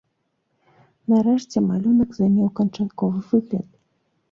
Нарэшце малюнак займеў канчатковы выгляд.